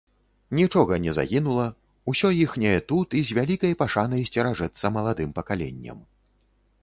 Нічога не загінула, усё іхняе тут і з вялікай пашанай сцеражэцца маладым пакаленнем.